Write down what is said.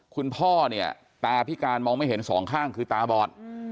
คุณพ่อเนี่ยตาพิการมองไม่เห็นสองข้างคือตาบอด